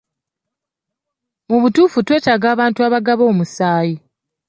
Mu butuufu twetaaga abantu abagaba omusaayi.